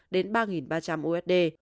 đến ba ba trăm linh usd